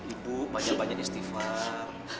ibu banyak banyak istighfar